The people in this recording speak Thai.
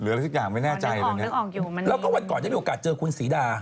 เหลืออะไรทุกอย่างไม่แน่ใจอะไรอย่างนี้แล้วก็วันก่อนจะมีโอกาสเจอคุณศรีดา